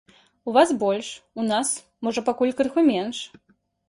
У вас больш, у нас, можа, пакуль крыху менш.